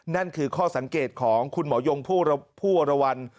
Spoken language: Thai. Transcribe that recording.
นั่นคือข้อสังเกตของคุณหมอยงผู้วรวรรณ